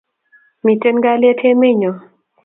Miten kalyet emet nyon